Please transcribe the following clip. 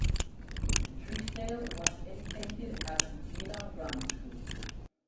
Drysdale was educated at Geelong Grammar School.